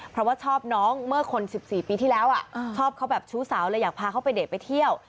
เพราะว่าชอบน้องเมื่อคน๑๔ปีที่แล้วชอบเขาแบบชู้สาวเลยอยากพาเขาไปเด็กไปเที่ยว